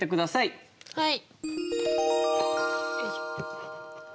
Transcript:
はい。